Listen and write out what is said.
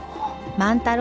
万太郎！